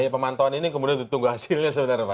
pemantauan ini kemudian ditunggu hasilnya sebenarnya pak